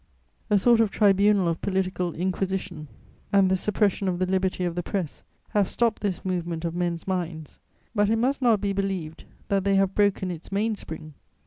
] "A sort of tribunal of political inquisition and the suppression of the liberty of the press have stopped this movement of men's minds; but it must not be believed that they have broken its main spring.